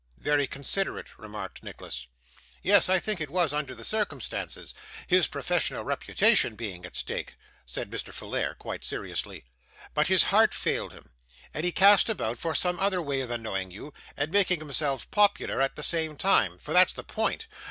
'Very considerate,' remarked Nicholas. 'Yes, I think it was under the circumstances; his professional reputation being at stake,' said Mr. Folair, quite seriously. 'But his heart failed him, and he cast about for some other way of annoying you, and making himself popular at the same time for that's the point.